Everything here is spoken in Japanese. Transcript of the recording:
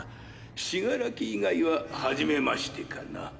死柄木以外は初めましてかな？